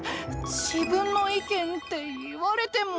自分の意見って言われても。